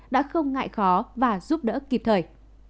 đã không ngại khó và giúp đỡ kịp thời